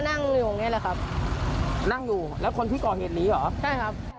นั่งอยู่แล้วคนที่ก่อเหตุนี้เหรอ